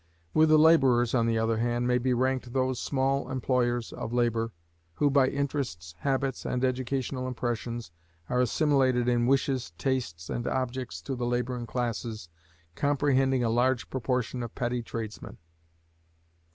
With the laborers, on the other hand, may be ranked those smaller employers of labor who by interests, habits, and educational impressions are assimilated in wishes, tastes, and objects to the laboring classes, comprehending a large proportion of petty tradesmen.